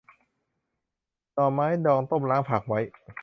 หน่อไม้ดองต้มล้างพักไว้